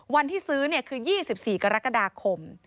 วันที่ซื้อคือ๒๔กรกฎาคม